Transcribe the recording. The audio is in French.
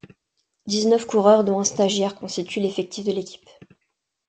Dix-neuf coureurs dont un stagiaire constituent l'effectif de l'équipe.